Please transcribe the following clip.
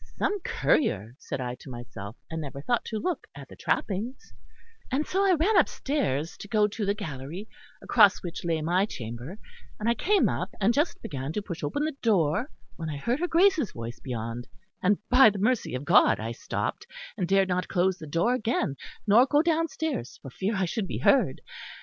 Some courier, said I to myself, and never thought to look at the trappings; and so I ran upstairs to go to the gallery, across which lay my chamber; and I came up, and just began to push open the door, when I heard her Grace's voice beyond, and, by the mercy of God, I stopped; and dared not close the door again nor go downstairs for fear I should be heard.